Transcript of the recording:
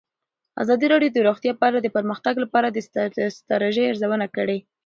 ازادي راډیو د روغتیا په اړه د پرمختګ لپاره د ستراتیژۍ ارزونه کړې.